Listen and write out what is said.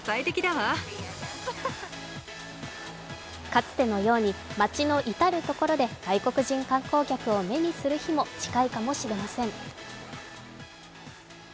かつてのように街の至る所で外国人観光客を目にする日も近いかもしれません。